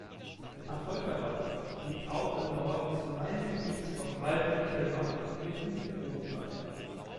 Affolterbach liegt auf im Norden des Gemeindegebiets von Wald-Michelbach mitten im Odenwald.